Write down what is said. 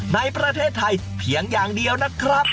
ในประเทศไทยเพียงอย่างเดียวนะครับ